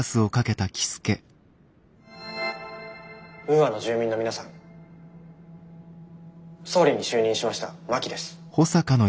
ウーアの住民の皆さん総理に就任しました真木です。